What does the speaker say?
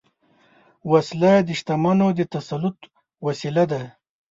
وسله د شتمنو د تسلط وسیله ده